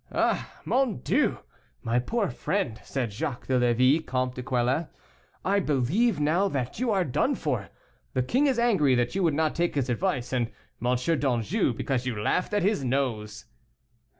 "Eh! mon Dieu! my poor friend," said Jacques de Levis, Comte de Quelus, "I believe now that you are done for. The king is angry that you would not take his advice, and M. d'Anjou because you laughed at his nose."